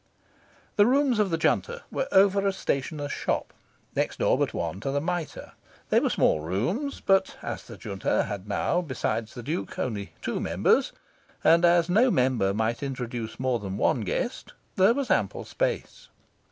The rooms of the Junta were over a stationer's shop, next door but one to the Mitre. They were small rooms; but as the Junta had now, besides the Duke, only two members, and as no member might introduce more than one guest, there was ample space.